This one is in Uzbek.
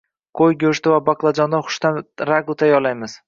Qo‘y go‘shti va baqlajondan xushta’m ragu tayyorlaymiz